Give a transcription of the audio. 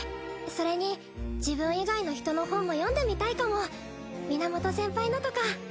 それに自分以外の人の本も読んでみたいかも源先輩のとか